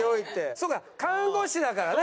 そうか看護師だからね。